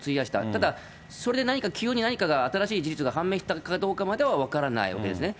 ただそれで何か、急に何かが、新しい事実が判明したかどうかまでは分からないわけですね。